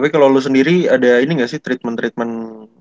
tapi kalau lo sendiri ada ini nggak sih treatment treatment